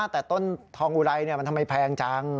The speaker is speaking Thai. แต่ต้นทองอุไรมันทำไมแพงจัง